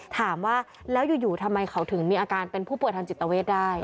ถามว่าแล้วอยู่ทำไมเขาถึงมีอาการเป็นผู้ป่วยทางจิตเวทได้